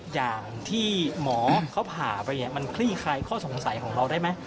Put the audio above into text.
อย่างที่หมอเขาผ่าไปเนี่ยมันคลี่คลายข้อสงสัยของเราได้ไหม